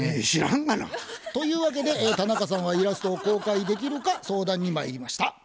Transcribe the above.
知らんがな。というわけで田中さんはイラストを公開できるか相談にまいりました。